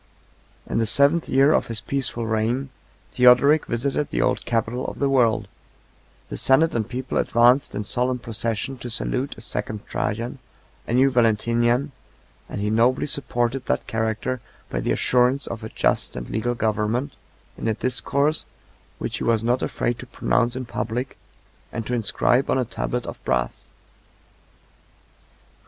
60 In the seventh year of his peaceful reign, Theodoric visited the old capital of the world; the senate and people advanced in solemn procession to salute a second Trajan, a new Valentinian; and he nobly supported that character by the assurance of a just and legal government, 61 in a discourse which he was not afraid to pronounce in public, and to inscribe on a tablet of brass.